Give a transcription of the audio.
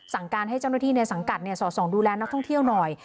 สั่งการให้เจ้าหน้าที่ในสังกัดสอดส่องดูแลนักท่องเที่ยวหน่อย